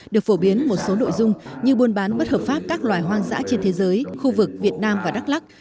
được phổ biến một số nội dung như buôn bán bất hợp pháp các loài hoang dã trên thế giới khu vực việt nam và đắk lắc